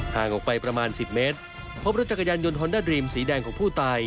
ห่างออกไปประมาณ๑๐เมตรพบรถจักรยานยนต์ฮอนด้าดรีมสีแดงของผู้ตาย